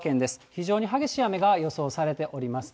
非常に激しい雨が予想されております。